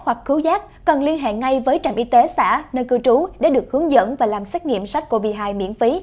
hoặc cứu giác cần liên hệ ngay với trạm y tế xã nơi cử trú để được hướng dẫn và làm xét nghiệm sách covid một mươi chín miễn phí